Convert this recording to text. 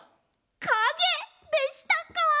かげでしたか。